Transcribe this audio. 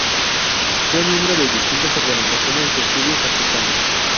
Fue miembro de distintas organizaciones de estudios africanos.